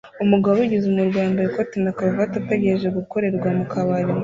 Umugabo wabigize umwuga wambaye ikote na karuvati ategereje gukorerwa mu kabari